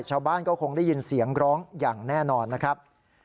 ชาวบ้านก็คงได้ยินเสียงร้องอย่างแน่นอนนะครับ